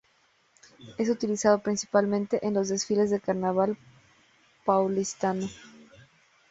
Es utilizado principalmente en los desfiles del carnaval paulistano.